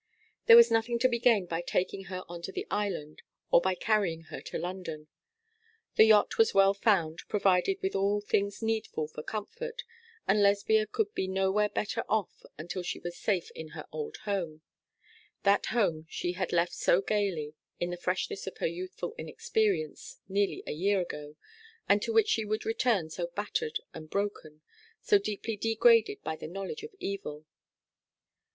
There was nothing to be gained by taking her on to the island or by carrying her to London. The yacht was well found, provided with all things needful for comfort, and Lesbia could be nowhere better off until she was safe in her old home: that home she had left so gaily, in the freshness of her youthful inexperience, nearly a year ago, and to which she would return so battered and broken, so deeply degraded by the knowledge of evil.